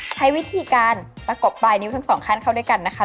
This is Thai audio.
ใช้วิธีการประกบปลายนิ้วทั้งสองข้างเข้าด้วยกันนะคะ